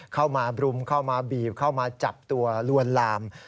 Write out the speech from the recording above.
เข้ามาบรุมเข้ามาบีบเข้ามาจับตัวลวนลาม